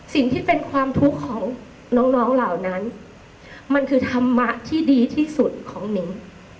สิ่งที่เป็นความทุกข์ของน้องเหล่านั้นมันคือธรรมะที่ดีที่สุดของหนิง